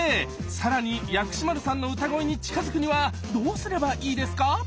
更に薬師丸さんの歌声に近づくにはどうすればいいですか？